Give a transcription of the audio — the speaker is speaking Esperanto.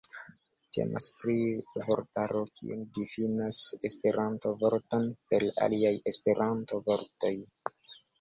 Temas pri vortaro, kiu difinas Esperanto-vorton per aliaj Esperanto-vortoj.